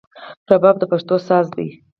رباب د پښتو ساز دی